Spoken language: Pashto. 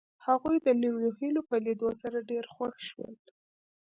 هغوی د نویو هیلو په لیدو سره ډېر خوښ شول